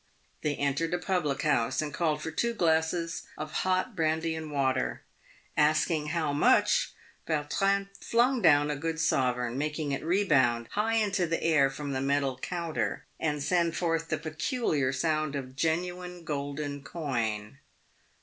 They entered a public house and called for two glasses of hot brandy and water. Asking " how much," Vautrin flung down a good sovereign, making it rebound high into the air from the metal counter, and send forth the peculiar sound of genuine golden coin.